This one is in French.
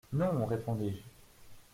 —Non, répondis-je.